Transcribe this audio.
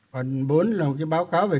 còn bốn là một cái báo cáo về